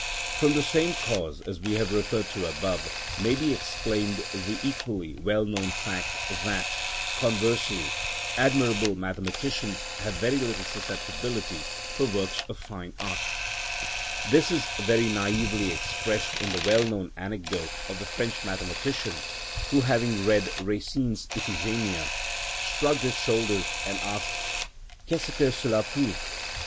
From the same cause as we have referred to above, may be explained the equally well known fact that, conversely, admirable mathematicians have very little susceptibility for works of fine art. This is very naïvely expressed in the well known anecdote of the French mathematician, who, after having read Racine's "Iphigenia," shrugged his shoulders and asked, "_Qu'est ce que cela prouve?